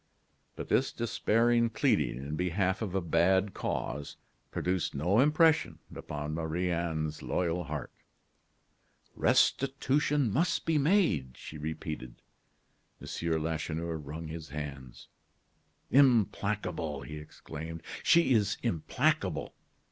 But this despairing pleading in behalf of a bad cause produced no impression upon Marie Anne's loyal heart. "Restitution must be made," she repeated. M. Lacheneur wrung his hands. "Implacable!" he exclaimed; "she is implacable.